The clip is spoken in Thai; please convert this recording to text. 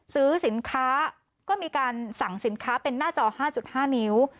ซื้อสินค้าก็มีการสั่งสินค้าเป็นหน้าจอ๕๕นิ้ว